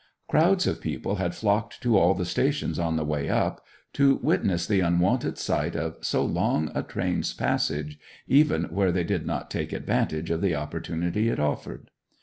Crowds of people had flocked to all the stations on the way up to witness the unwonted sight of so long a train's passage, even where they did not take advantage of the opportunity it offered.